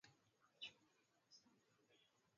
Alikuwa akiripoti kwa mama huyo moja kwa moja